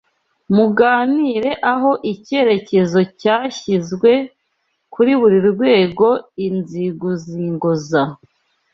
Muganire aho icyerekezo cyashyizwe kuri buri rwego inzinguzingo za